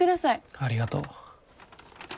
ありがとう。